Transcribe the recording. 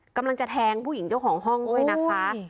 กำลังจะแทงผู้หญิงเจ้าของห้องด้วยนะคะ